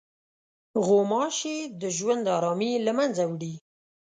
غوماشې د ژوند ارامي له منځه وړي.